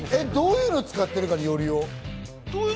どういうのを使ってるかによるよ。